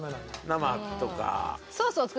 生とか。